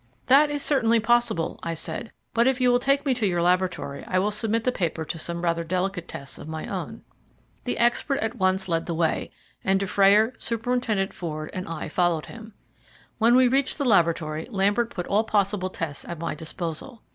"That is certainly possible," I said; "but if you will take me to your laboratory I will submit the paper to some rather delicate tests of my own." The expert at once led the way, and Dufrayer, Superintendent Ford, and I followed him. When we reached the laboratory, Lambert put all possible tests at my disposal.